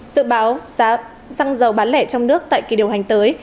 dự báo giá xăng dầu bán lẻ trong nước tại kỳ điều hành tới